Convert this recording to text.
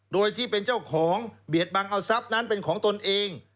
โดยที่เป็นเจ้าของเบียดบังเอาทรัพย์นั้นเป็นของตนเอง